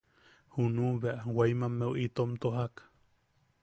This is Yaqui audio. Junuʼu bea Waimammeu itom tojak.